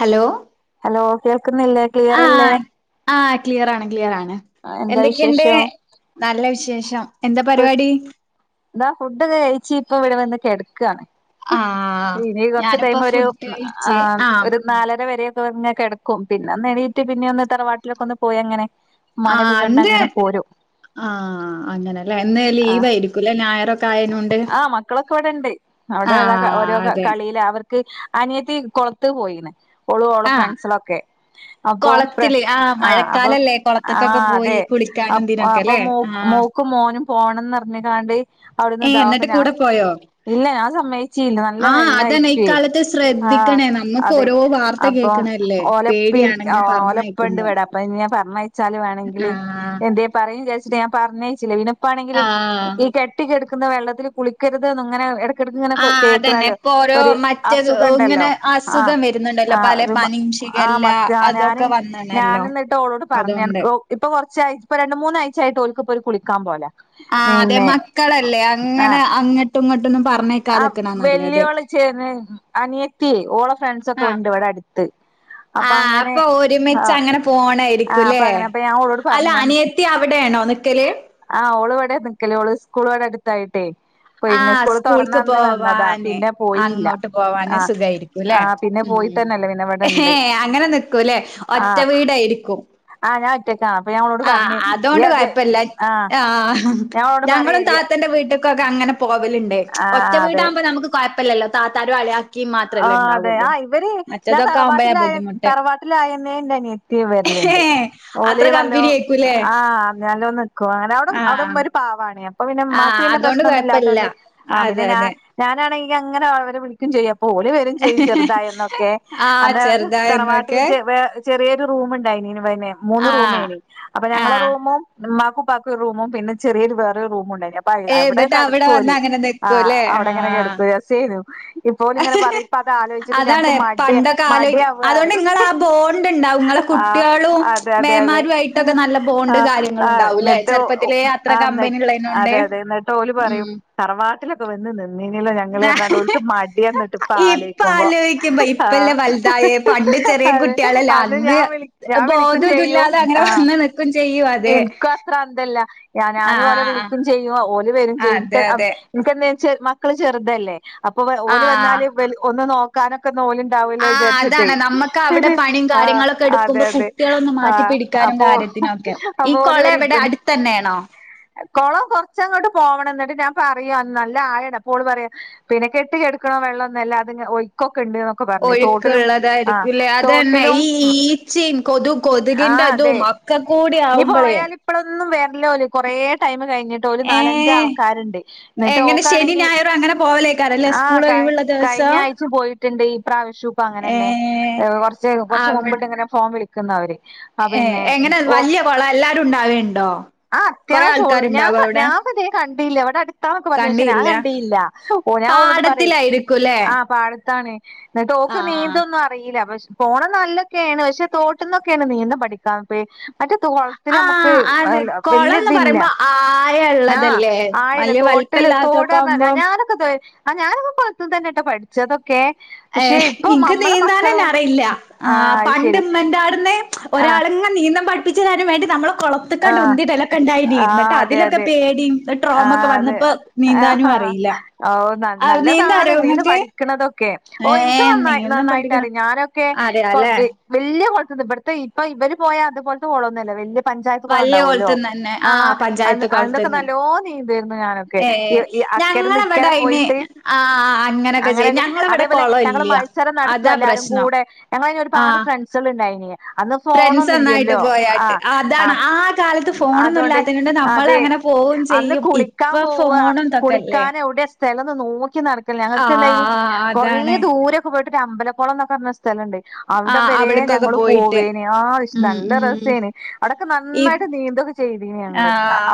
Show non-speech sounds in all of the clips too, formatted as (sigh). Hello hello കേൾക്കുന്നില്ലേ ക്ലിയറല്ലേ ആ ക്ലിയറാണ് ക്ലിയറാണ് എന്തൊക്കെണ്ട് നല്ല വിശേഷം എന്താ പരിപാടി താ ഫുഡൊക്കെ കഴിച്ചിപ്പവടെ വന്ന് കെടക്കാണ് ഇനി കൊർച്ച് ടൈമൊരു ആ ഒരു നാലര വരൊക്കെങ്ങ കെടക്കും പിന്നൊന്നെണീറ്റ് പിന്നിം ഒന്ന് തറവാട്ടിലൊക്കൊന്ന് പോയി അങ്ങനെ മ്മാനെക്കെ കണ്ടങ്ങനെ പോരും ആ അങ്ങനെ ല്ലെ ഇന്ന് ലീവേരിക്കൂലെ ഞായറൊക്കായെനൊണ്ട് ആ കളില അവർക്ക് അനിയത്തി കൊളത്ത്പോയിണ് ഓളും ഓളെഫ്രണ്ട്സളൊക്കെ അപ്പൊ ഫ്രെ ആ അപ്പൊ ആ അതെ അപ് ആ അപ്പൊ മോക്കും മോനും പോണംന്നർഞ്ക്കാണ്ട് അവിട്ന്ന് താവും പിന്നാസ് ഇല്ല ഞാൻ സമ്മയ്ച്ചീല്ല നല്ല വെള്ളയ്ക്കെ ആ അതെ അപ്പം ഓലെപ്പി ആ ഓലെ പ്പണ്ട് വടെ അപ്പൊ ഞാൻ പറഞ്ഞയച്ചാല് വേണങ്കില് എന്തേം പറയും വിചാരിച്ചിട്ട് ഞാൻ പറഞ്ഞയച്ചില പിന്നെ പ്പാണെങ്കില് ഈ കെട്ട് ട്ടി കെട്ക്ക്ന്ന വെള്ളത്തില് കുളിക്കരുത് ന്നങ്ങനെ എട ക്കെടക്ക്ങ്ങനെ കേക്ക്ണല്ലേ ഇപ്പൊരു അസുഖം ണ്ടല്ലോ ആ ആ ഒരു മ ആ മസ്ജ ഞാന് ഞാന്ന്ന്ട്ട് ഓളോട് പർഞട്ക്കും ഇപ്പ കൊർച്ചായ്ട്ട് രണ്ട് മൂന്നായ്ച്ചായ്ട്ട് ഓൽക്ക്പ്പൊര് കുളിക്കാ പോല ആ അതെ മക്കളല്ലേ അങ്ങനെ അങ്ങട്ടും ഇങ്ങോട്ടൊന്നും പറഞ്ഞ ആ വെല്യോള് ചേർന്ന് അനിയത്തി ഓളോ ഫ്രണ്ട്സൊക്കെ ണ്ട് ഇവടെ അട്ത്ത് ആ അപ്പൊ ഒരുമിച്ച് അങ്ങനെ പോണേരിക്കൂല്ലേ അല്ല അനിയത്തി അവിടെണോ നിക്ക് ക്കല് ആ ഓള് വടെ നിക്കല് ഓള് സ്കൂൾവടെടുത്തായിട്ടേ (unintelligible) സ്കൂള് - - സ്കൂൾക്ക് പോവാന് അങ്ങോട്ട് പോവാന് സുഖായിരിക്കും ലെ ഉം എ ഹെ അങ്ങനെ നിക്കൂല്ലെ ഒറ്റ വീടേരിക്കും ആ അതൊണ്ട് കൊയ്പ്പല്ല ആ ഞങ്ങളും താത്തന്റെ വീട്ട് ക്കൊക്കെ അങ്ങനെ പോവല്ണ്ട് ഒറ്റ വീടാകുമ്പോ നമ്മക്ക് കൊഴപ്പല്ലല്ലോ താത്താരും അളിയ ആ അതെ ആ ഇവര് ഞാൻ തറവാട്ടിലായെ തറവാട്ടിലായന്നേണ്ടനി ത്തി വെര്ല്ണ്ട് ഓല് വ ആ അല്ലാണ്ടോനിക്കും അങ്ങനെ അവടെ അവടെ മ്മൊര് പാവാണ് ഞാൻ പ്പൊ പിന്നെ മ്മാക്ക് പിന്നെ പ്രശ്നൊന്നുല്ലാത്തോണ്ട് ആ പിന്നെഞാ ഞാനാണെങ്കി അങ്ങനെ അവരെ വിളിക്കും ചെയ്യും ഓല് വെരും ചെയ്യും ചെറുതായന്നൊക്കെ അന്ന് തറവാട്ടില് ചെ വേറെ ചെറിയൊരു റൂമ്ണ്ടായിന്ന്ന് മൂന്ന് റൂമേനി അപ്പൊ ഞങ്ങളെ റൂമും മ്മാക്കും പ്പാക്കും ഒരു റൂമും പിന്നെ ചെറിയൊരു വേറൊരു റൂമുണ്ടയ്നി അ പ്പ അവടെക്കെ കെട്ക്കോല് ആ അവടെങ്ങനെ കെടക്കും രെസേന്നു ഇപ് ഇപ്പോല്ങ്ങനെ പറയും ഇപ്പത് ആലോയ്ച്ചിട്ട് ഞങ്ങക്ക് മടി മടിയാവാന്ന് പറയും ആ അതെ അതെ അതെ ആ ആ ന്ന്ട്ട് ആ ന്ന് അതെ അതെ ന്ന്ട്ടോല് പറയും തറവാട്ടിലൊക്കെ വന്ന് നിന്നീല്ലോ ഞങ്ങള്ർഞാണ്ട് ഓൽക്ക് മ ട്യ ന്ന്ട്ട് ആലോയ്ക്കുമ്പോ ആ അതെ അത് ഞാൻ വിളി ഞാൻ വിളിക്കും ചെയ്യും ആ ഇൻക്കും അത്ര അന്തല്ല അ ഞാനോലെ വിളിക്കും ചെയ്യും ഓല് വെരും ചെയ്യും ഇൻക്ക് അ ഇൻക്കെന്താച്ച മക്കള് ചെറുതല്ലേ അപ്പൊ ഓല് വെന്നാല് വല് ഒന്ന് നോ ക്കാനൊക്കെന്നോല്ണ്ടാവല്ലോ വിചാരിച്ചിട്ടേ ഒരു ആ അതെ അതെ ആ അപ്പോ അപോല് പറയും പ്പ കൊളം കൊർച്ചങ്ങോട്ട് പോവണം ന്ന്ട്ട് ഞാൻ പറയും നല്ല ആയണ്ട് പ്പോള് പറയും പിന്നെ കെട്ടി കെട് ക്ക്ണ വെള്ളന്നല്ല അത് ഒഴുക്കൊക്കെണ്ട് ഒഴുക്ക്ള്ളതായിരിക്കുല്ലേ അതന്നെ ഈ ഈച്ചൻ കൊതു കൊതുകിന്റെ അതും ഒക്കെ കൂടി ആവുമ്പോളേ ഓലിപ്പളൊന്നും വെര്ലോല് കൊറേ ടൈമ്കഴിഞ്ഞിട്ട് ഓല് നാലഞ്ചആൾക്കാരുണ്ട് എന്നിട്ട് ഓക്കാണെങ്കിൽ ആഹ് കഴി കഴിഞ്ഞ ആഴ്ച്ചിം പോയിട്ട്ണ്ട് ഇപ്രാവശ്യ ഇപ്പ അങ്ങനെന്നെ കുറച്ച് കുറച്ച് മുമ്പ്ണ്ട്ങ്ങനെ ഫോംവിളി ക്കുന്നവര് ആ പിന്നെ ഓ ആ അത്യാവശ്യം ഉള്ളൂ ഞാ ഞാൻതേ കണ്ടില്ല ഇവടെ അടു ത്താന്നൊക്കെ പർഞ് പക്ഷേ ഞാ കണ്ടീയില്ല ഓ ഞാഓളോട് പറയും ഇരിക്കുലേ പാടത്താണ് ന്നട്ട് ഓക്ക് നീന്തൊന്നു അ അറീല പക്ഷ പോണം നല്ലൊക്കേണ് പക്ഷെ തോട്ട്ന്നൊക്കേണ് നീന്തപഠിക്കാ പേ മറ്റെ ട്ടിലമ്മക്ക് വല്യ ഇതില്ല ആ ആയല്ല തോട്ട ട്ട്ല് തോട്ർഞര ഞാനൊക്കെ ആ ഞാനൊക്ക കൊൾത്തന്നെട്ടാ പഠിച്ചതൊക്കെ ഏഹ് ഇൻക്ക് നീന്താനന്നെ അറിയില്ല ആ പണ്ട്മ്മന്റോട്ന്ന ഒരാളങ്ങ നീന്തം പഠിപ്പിച്ചരാനുംവേണ്ടി നമ്മളെ കൊള ത്ത്ക്കണ്ട് ഉന്തിടലൊക്കെണ്ടായിനി ന്നട്ട് അതിലൊക്കെ പേടി ട്രോമക്കെ വന്നപ്പോ നീന്താനും അറിയില്ല ആ നീന്താറിയോങ്ങക്ക് ക്ക്ണൊതൊക്കെ ഓ ഇൻക്ക് നന്നായി നന്നായിട്ട് അറിയ ഞാനൊക്കെ വല്യ കൊൾത്ത്ന്ന് ഇവിടത്തെ ഇപ്പൊ ഇവര് പോയാ അതു പോലത്തെ കൊളൊന്നുല്ല വല്യ പഞ്ചാ യത്ത്കൊളണ്ടാവല്ലോ ആ അന്നൊക്കെ നല്ലോ നീന്തേര്ന്നു ഞാനൊക്കെ ഈ അക്കരന്ന് ഇക്കരെ പോയിട്ട് അങ്ങനെയൊക്കെ അതേപോലെ ഞങ്ങൾ മത് സരം നടത്തും എല്ലാരുംകൂടെ ഞങ്ങളയ്ന് ഒരുപാട് ഫ്രണ്ട്സൾണ്ടായിനി അന്ന് ഫോണൊന്നുല്ലല്ലോ ആഹ് ആഹ് അതോണ്ട് അതെ അന്ന് കുളിക്കാൻപോവ കുളിക്കാൻ എവിടെ സ്ഥലന്ന് നോക്കി നടക്കല ഞങ്ങൾക്ക് എന്തായ്നി കൊറേദൂരം ക്ക് പോയിട്ട് അമ്പലകൊളംന്നക്കർഞ സ്ഥലണ്ട് അവിടെ വരെ ഞങ്ങള് പോവേനി ആ നല്ലരസേന അവിടൊക്കെ നന്നായിട്ട് നീന്തക്ക ആഹ്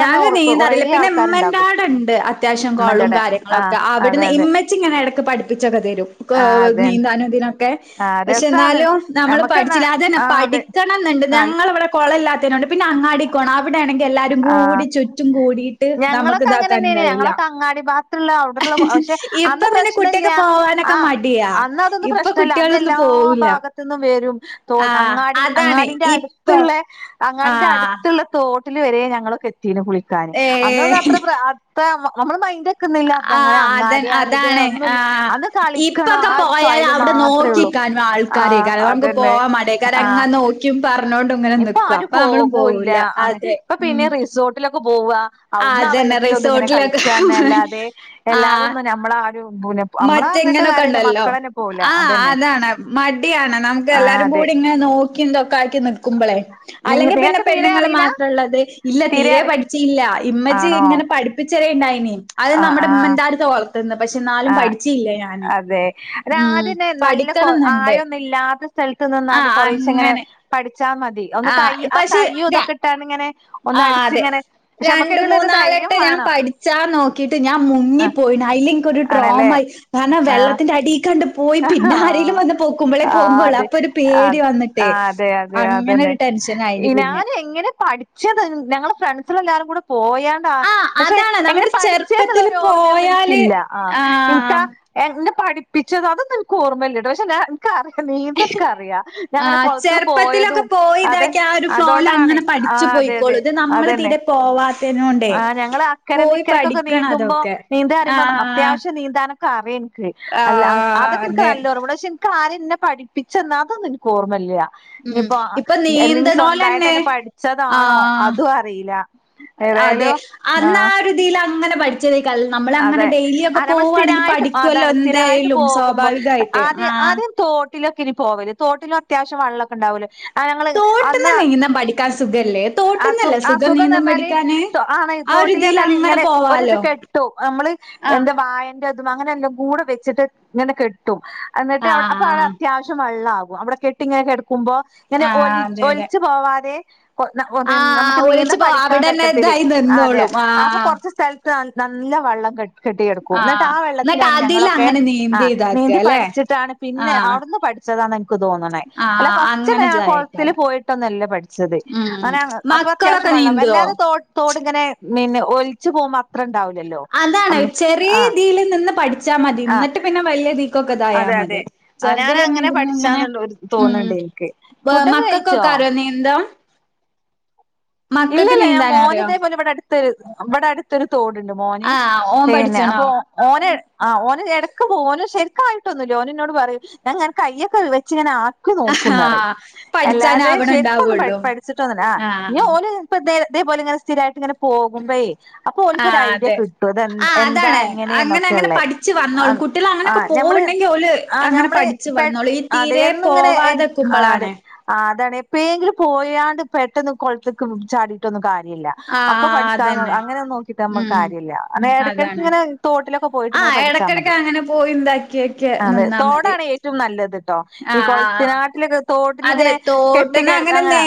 ഞാങ്ങ് നീന്താറില്ല പിന്നെ ഇമ്മന്റോടെണ്ട് അത്യാവശ്യം കൊളും കാര്യ ങ്ങളൊക്കെ അവിട്ന്ന് ഇമ്മച്ച്ങ്ങനെ ഇടക്ക് പഠിപ്പിച്ചൊക്കെതരും നീന്താനുംതിനൊ ക്കെ പക്ഷെ എന്നാലും നമ്മള് പഠിച്ചില്ല അതന്നെ പഠിക്കണംന്നുണ്ട് ഞങ്ങളവിടെ കൊളല്ലാത്തനോണ്ട് പിന്നെ അങ്ങാടിക്കോണം അവിടെണെങ്കിൽ എല്ലാരും കൂടി ചുറ്റുംകൂടി ഞങ്ങളൊക്കെ അങ്ങനെന്നേനി ഞങ്ങളൊക്കെ അങ്ങാടി ഭാത്ത്ള്ള അവിടെള്ള പക്ഷെ അന്ന് പ്രശ് ശ്നല്ല ആ അന്ന് അതൊന്നും പ്രശ്നല്ല അന്ന് എല്ലാ ഭാഗത്ത്ന്നും വരും തോട് അങ്ങാടി അങ്ങാടിന്റെ അട്ത്ത്ള്ള അങ്ങാടിന്റെ അട്ത്ത്ള്ള തോ ട്ട്ല് വരെ ഞങ്ങളൊക്കെ എത്തിണ് കുളിക്കാന് അന്നൊന്നത്ര പ്ര അത്ര നമ്മള് മൈ ക്കുന്നില്ല അതങ്ങനെ അങ്ങാടിയാണിത് ഒന്നും അന്ന് കളിക്കണം ആ ഒരു സൊയല് മാത്രഉള്ളൂ ക്കാൻമെ ആൾക്കാരേകാര നമുക്ക് പോവാം മടേക്കാരെ അങ്ങനെ നോക്കിയും പറഞ്ഞോണ്ട് ഇങ്ങനെ നിക്ക പോകൂല്ല അങ്ങനെ ഇപ്പൊ പിന്നെ റിസോർട്ടിലൊക്കെ പോവാ അവ്ട്ന്ന് ആ വെള്ളത്തിലൊന്ന്ങ്ങനെ കളിക്കാന്നല്ലാതെ എല്ലാതൊന്നും നമ്മള ആരു വിടൂല മറ്റെങ്ങനൊക്കെണ്ടല്ലോ ആ അതാണ് മടിയാണ് നമുക്ക് എല്ലാരും കൂടി ഇങ്ങനെ നോ ക്കി തൊക്കെ ആക്കി നിക്കുമ്പോളെ അല്ലെങ്കിപിന്നെ പെണ്ണുങ്ങള് മാത്രള്ളത് ഇല്ല തീരെ പഠി ച്ചീല്ല ഇമ്മച്ചിങ്ങനെ പഠിപ്പിച്ചെരെണ്ടായിനി അത് നമ്മുടെ ഇമ്മന്റോട്ത്ത കൊള ത്ത്ന്ന് പക്ഷെന്നാലും പഠിച്ചീല്ല ഞാന് ഉം പഠിക്കണന്നുണ്ട് സ്ഥൽത്ത്നിന്നാണ്ട് കൊറേച്ചങ്ങനെ പഠിച്ചാമതി ഒന്ന് കൈ ആ കയ്യൂതൊക്കെ ഇട്ടാണ്ട്ങ്ങനെ ഒന്ന് അടിച്ച്ങ്ങനെ പക്ഷെ നമ്മുക്ക്തിനുള്ളരു ധൈര്യം വേണം ചാ നോക്കീട്ട് ഞാൻ മുങ്ങിപ്പോയി അയ്ല് ഇക്കൊരു ട്രോമായി കാരണം വെള്ളത്തിന്റെ അടീകണ്ട് പോയി പിന്നെ ആരെേലും വന്ന് പൊക്കുമ്പളേ പൊങ്ങൊള്ളൂ അപ്പൊരു പേടി വന്നിട്ടേ അങ്ങനെ ഒരു ടെൻഷൻയിന് പിന്നെ പക്ഷെ ഞങ്ങളെ ഫ്രണ്ട്സൽ എല്ലരും കൂടെ പോയാ ആഹ് പക്ഷെ എങ്ങനെ പഠിച്ചെ എന്നുള്ള ഓർമ്മയൊന്നും എനിക്കില്ല ആഹ് ഇൻക്കാ എന്നെ പഠിപ്പിച്ചത് അതൊന്നും ഇൻക്ക് ഓർമ്മല്ലട്ട് പക്ഷെ ഞാൻ ക്കറിയ നീന്തൻക്കറിയ ഞാൻ ഇങ്ങനെ കൊള്ത്ത് പോയതും അതെ അതോണ്ടാണ് ആഹ് അതെ അതെ അതന്നെ. ആഹ് ഞങ്ങള് അക്കരന്ന് ഇക്കരക്കൊക്കെ നീന്തുമ്പോ നീന്തറുമ്പോ അത്യാവശ്യം നീന്താനൊക്കെ അറിയ ഇൻക്ക്. അല്ല അതൊക്കെ ഇൻക്ക് നല്ല ഓർമണ്ട് പക്ഷെ കാരാ ഇന്നെ പഠപ്പിച്ചന്നെ അതൊന്നും ഇൻക്ക് ഓർമ്മല്ല ഇനിയിപ്പോ എല്ല ഇനി സ്വന്തായിട്ട് പഠിച്ചതാണോ അതും അറിയില്ല. ഏതായാലും ആഹ് തില അങ്ങനെ പട് ച്ചതെക്കൾ നമ്മളങ്ങനെ ഡെയിലി ഒക്കെ പോവാണെങ്കിൽ പഠിക്കുവല്ലോ എന്തായലും സ്വാഭാവികായിട്ട് ആദ്യ ആദ്യം തോട്ടിലൊക്കെനി പോവല് തോട്ടിലു അത്യാവശ്യം വള്ളം ണ്ടാവല്ലോ ആഹ് ഞങ്ങള് അന്ന് ആഹ് സുഖ സുഖന്നറഞ്ഞാല് ആണ് തോട്ടില് എന്നാല് ഇങ്ങനെ ഒര്ത് കെട്ട് ട്ടും നമ്മള് എന്താ വാഴന്റെ അതും അങ്ങനെ എല്ല കൂടെ വെച്ചിട്ട് ഇങ്ങനെ കെട്ടും എന്നിട്ട് അവിടെ അപ്പോ അടെ അത്യാവശ്യം വള്ള ആകും അവിടെ കെട്ടിങ്ങനെ കെടക്കുമ്പോ ഇങ്ങനെ ഒലി ഒൽച്ച് പോവാതെ നമുക്ക് നീന്ത പടിക്കാൻ തക്കത്തില് അതെയ ആഹ് അപ്പൊ കൊർച്ച് സ്ഥല നല്ല വെള്ളം കെട്ടി കെട്ടിയെടുക്കൂ എന്നിട്ട് ആ വെള്ളത്തിലാണ് ഞങ്ങളൊക്കെ ആഹ് നീന്തി പഠിച്ചിട്ടാണ് പിന്നെ അവിടുന്ന് പ പഠിച്ചതാന്ന് എനിക്ക് തോന്നണേ അല്ല ഫസ്റ്റന്നെ ഞാ കൊളത്തില് പോയിട്ടൊന്നല്ല പഠിച്ചത് അങ്ങന അപ്പൊ അത്യാവശ്യം വെള്ളം വല്ലാതെ തോട് തോടിങ്ങനെ പിന്നെ ഒൽച്ച് പോവുമ്പൊ അത്രണ്ടാവ അതാണ് ചെറിയ ഇതിയിൽ നിന്ന് പഠിച്ചാ മതി ഇന്നട്ട് പിന്നെ വലിയതിക്കൊക്കെ ഇതായാൽ മതി. ചെർതിലന്നെ ഇരുന്നു ഇങ്ങനെ ഉം. മക്കൾക്കൊക്കെ അറിയോ നീന്താൻ ഇല്ലല്ല ഞാൻ മോന് ഇതേപോലെ ഇവിടെ അടുത്തൊരു ഇവിടെ അടുത്തൊരു തോടുണ്ട് മോന് പിന്നെ അപ്പൊ ഓന ആഹ് ഓന ഇടക്ക് പോ ഓന ശരിക്ക ആയിട്ടൊന്നുല്ല ഓന് എന്നോട് പറിം ഞാങ്ങ കയ്യൊക്കെ വെച്ച്ങ്ങനെ ആ ക്കി നോക്കുന്നറി. അല്ലാതെ ശരിക്കൊന്നും പഠിച്ചിട്ടൊന്നില്ലാ ആഹ് ഞ് ഓന് ഇപ്പ തേയ് ഇതേപോലെങ്ങനെ സ്ഥിരായിട്ടിങ്ങനെ പോകുമ്പേയ് അപ്പൊ ഓല്ക്ക് ഒരു ഐഡിയ കിട്ടും ഇത് എൻ എന്താ എങ്ങനെയ എന്നൊക്കെയ ഉള്ളേ ആഹ് ഞമ്മള് ആഹ് ഞമ്മള് പെട് അതെ എന്നുങ്ങനെ ആഹ് അതെ ആഹ് അതാണ് എപ്പ എങ്കിലും പോയാണ്ട് പെട്ടെന്ന് കൊൾത്‌ക്ക് ചാടിട്ടൊന്നും കാര്യല്ല അപ്പൊ പഠിച്ച അങ്ങനെ നോക്കിട്ട് നമ്മുക്ക് കാര്യല്ല അങ്ങെ ഇടക്കിടയ്ക്ക് ഇങ്ങനെ തോട്ടിലൊക്കെ പോയിട്ട് ഇങ്ങനെ പഠിച്ചാൽ മതി. അതെ തോടാണ് ഏ റ്റും നല്ലത് ട്ടോ. ഈ കൊൾത്തിനാട്ടിലൊക്കെ തോട്ടിലിങ്ങനെ കെട്ടികെട് അങ്ങനാ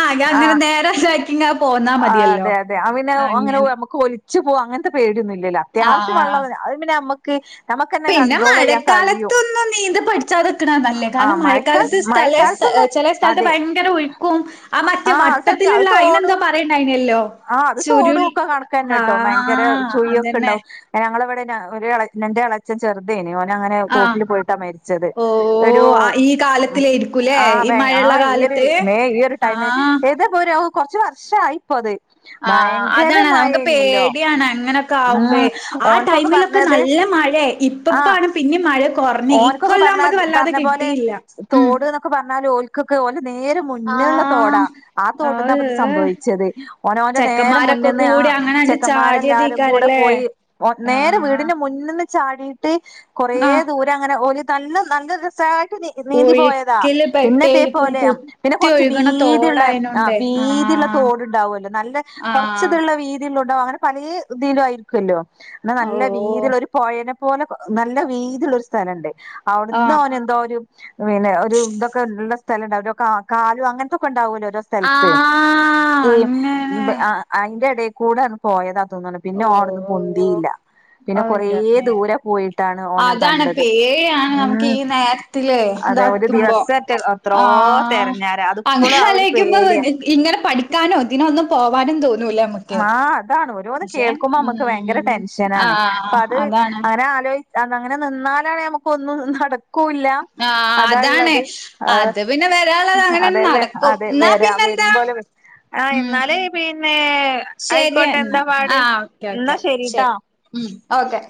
ആഹ് ഞാ ഇങ്ങനെ നേരെ ഇങ്ങെ പോ ആ അതെ അതെ അവിന്നെ ഓങ്ങനെ നമുക്കൊ ച്ച് പോക അങ്ങൻത്തെ പേടിയൊന്നുല്ലല്ലോ അത്യാവശ്യം വള്ള അത് പിന്നെ നമക് പിന്നെ മഴക്കാലത്തൊന്നും നീന്ത പഠിച്ചാതക്കണ നല്ലേ കാരണം മഴക്കാലത്ത് സ്ഥല ചെലെ സ്ഥലത്ത് ഭയങ്കര ഒഴുക്കും ആ മറ്റേ വട്ടത്തിലുള്ള അയിനെന്തോ പറയണ്ടയിനല്ലോ ആഹ് അത് തോടും ഒക്കെ കണക്കന്നെട്ടോ ഭയങ്കര ചുയൊക്കെ ഉണ്ടാവും ഞങ്ങളവടെ ഒരു എളൻമെന്റെ എള ച് ചെർതേനി ഓനങ്ങനെ തോട്ടിൽ പോയിട്ടാ മരിച്ചത്. ഒരു ആഹ് ബൈ ആഹ് ഈയൊര് മേയ് ഈ ഒരു ടൈമിന് ഏതാ പോര കുറച്ച് വർഷ ആയിപ്പോ അത് ആഹ് അതാണ് നമുക്ക് പേടിയാണ് അങ്ങനെയൊക്കെ ആവുമ്പേ ആ ടൈമിലൊക് ക്കെ നല്ല മഴയ ഇപ്പപ്പാണ് പിന്നെ മഴ കൊർഞ്ഞെ ഇക്കൊല്ലം നമ്മക്ക് വല്ലാതെ കിട്ടിയില്ല തോട് എന്നൊക്കെ പറഞ്ഞാല് ഓൽക്കക്ക് ഓലെ നേരെ മുന്നുള്ള തോടാ. ആ തോട പ്പ്ന്നാപ്പത് സംഭവിച്ചത്. ഓന് ഓന്റെ നേരെമുന്ന്ന്ന് ആഹ് ചെക്കന്മാരെല്ലാരും കൂടെ പോയി ഓ നേരെ വീ ട്ട്ന്റെ മുന്ന്ന്ന് ചാടീട്ട് കൊറേ ദൂരങ്ങനെ ഓല്തന്നെ നല്ല രസായിട്ട് നീ നീന്തിപോയതാ പിന്നെതേപോലെ പിന്നെ കൊർച്ച് വീതിള്ള ആഹ് വീതിള്ള തോടിണ്ടാവുല്ലോ നല്ല കൊറച്ചത്ള്ള വീതിള്ള ഉണ്ടാവും അങ്ങനെ പലേ ഇതിലും ആയിരി ക്കല്ലോ എന്നാ നല്ലവീതിള്ള ഒര് പോയനെപോലെ നല്ലവീതിള്ളോര് സ്ഥലണ്ട് അവ്ട്ന്ന് ഓന് എന്തോരു പിന്നെ ഒരു ഇതൊക്കെ ഇണ്ട സ്ഥലണ്ടാവുല്ലോ കാ കാലും അങ്ങനത്തൊക്കെ ഒണ്ടാവൂലോ ഓരോ സ്ഥൽത്ത് ഏയ് അയിന്റെ എടേ കൂടെന്ന് പോയതാന്ന് തോനുന്നു പിന്നെ ഓ അവ്ട്ന്ന് പൊന്തീല്ല പിന്നെ കൊറേ ദൂരെ പോയി അതാണ് പേടിയാണ് നമുക്ക് ഈ നേരത്തില് ഇതാക്കുമ്പോ ആഹ് അങ്ങനെ ആലോയിക്കുമ്പം (unintelligible) ഇങ്ങനെ പഠിക്കാനോ ഇതിനൊന്നും പോവാനും തോന്നൂല്ല നമ്മ ആഹ് അതാണ് ഓരോന്ന് കേൾക്കുമ്പം നമ്മക്ക് ഭയങ്കര ടെൻഷനാണ് അപ്പ അത് അങ്ങനെ ആലോയി അത് അങ്ങനെ നിന്നാലാണ് നമുക്ക് ഒന്നും നടക്കൂല്ല അതാള്ളത് അതെ അതെലെ അതെ വെരാ വെരുംപോലെ വെ ആഹ് എന്നാല് പിന്നെ ശരി എന്നാ ആ ഓക്കെ ഓക്കെ ശരി ഉം ഓക്കെ